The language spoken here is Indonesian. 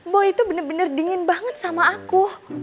boy itu bener bener dingin banget sama aku